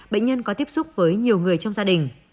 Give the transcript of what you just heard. bệnh nhân có tiếp xúc với nhiều người trong gia đình